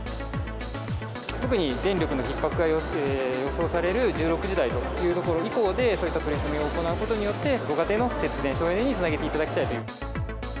特に電力のひっ迫が予想される１６時台というところ以降で、そういった取り組みを行うことによって、ご家庭の節電、省エネにつなげていただきたいと。